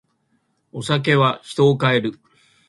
お酒は人を変える。